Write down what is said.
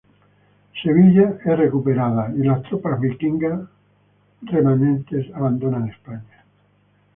Sevilla es recuperada, y las tropas vikingas remanentes dejan España.